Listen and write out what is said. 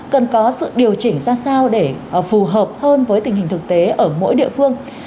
cần có sự điều chỉnh ra sao để phù hợp hơn với tình hình thực tế ở mỗi địa phương